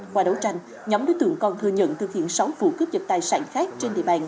qua đấu tranh nhóm đối tượng còn thừa nhận thực hiện sáu vụ cướp dật tài sản khác trên địa bàn